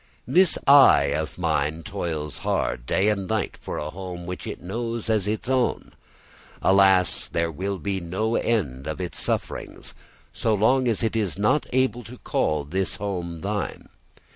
This "I" of mine toils hard, day and night, for a home which it knows as its own. Alas, there will be no end of its sufferings so long as it is not able to call this home thine.